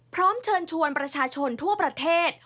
พร้อมเชิญชวนประชาชนทั่วประเทศ